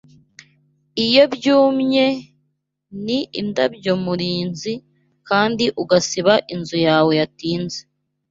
Iyo byumye ni Indabyo murinzi, Kandi ugasiba inzu yawe yatinze